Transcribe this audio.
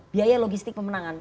biaya logistik pemenangan